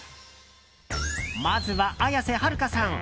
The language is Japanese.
まずは、綾瀬はるかさん。